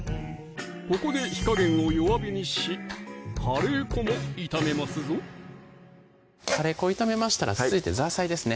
ここで火加減を弱火にしカレー粉も炒めますぞカレー粉を炒めましたら続いてザーサイですね